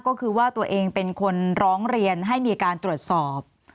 ก็คือว่าตัวเองเป็นคนร้องเรียนให้มีการตรวจสอบ